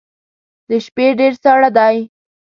د شپې ډیر ساړه دی